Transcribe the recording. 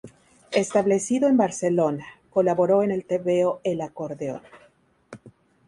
Establecido en Barcelona, colaboró en el tebeo "El Acordeón".